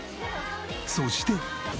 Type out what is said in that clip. そして。